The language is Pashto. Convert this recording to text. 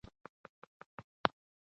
د پخلنځي لګښتونه کم کړئ.